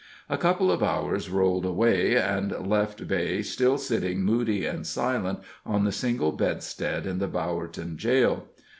A couple of hours rolled away, and left Beigh still sitting moody and silent on the single bedstead in the Bowerton jail.